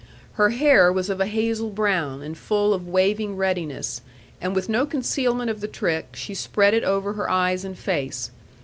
Her hair was of a hazel brown, and full of waving readiness; and with no concealment of the trick, she spread it over her eyes and face.